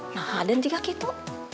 nah aden juga gitu